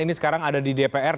ini sekarang ada di dpr